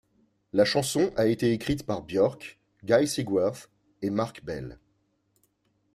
La chanson a été écrite par Björk, Guy Sigsworth et Mark Bell.